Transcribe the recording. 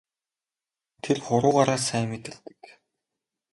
Тэр хуруугаараа сайн мэдэрдэг.